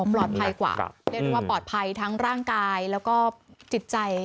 ปลอดภัยกว่าปลอดภัยทั้งร่างกายแล้วก็จิตใจ